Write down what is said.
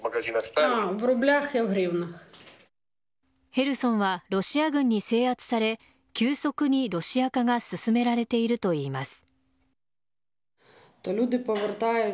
ヘルソンはロシア軍に制圧され急速にロシア化が進められているといいます。